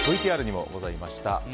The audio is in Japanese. ＶＴＲにもございました。